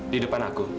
di depan aku